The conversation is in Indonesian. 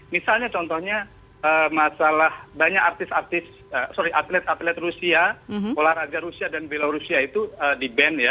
misalnya contohnya masalah banyak artis artis sorry atlet atlet rusia olahraga rusia dan belorusia itu di ban ya